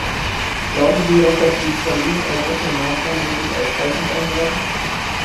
Glauben Sie jedoch, dass die von Ihnen ergriffenen Maßnahmen wirklich ausreichend sein werden?